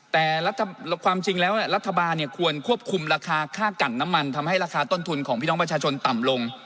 แต่ความจริงแล้วรัฐบาลควรควบคุมราคาค่ากันน้ำมันทำให้ราคาต้นทุนของพี่น้องประชาชนต่ำลง